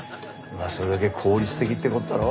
まあそれだけ効率的って事だろ？